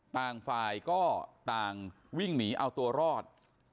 ต่างฝ่ายก็ต่างวิ่งหนีเอาตัวรอด